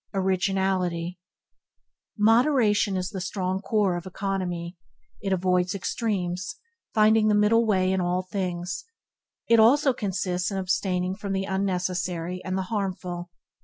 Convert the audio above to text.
Originality Moderation is the strong core of economy. It avoids extremes, finding the middle way in all things. It also consists in abstaining from the unnecessary and the harmful.